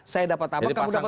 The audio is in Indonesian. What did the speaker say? saya dapat apa kamu dapat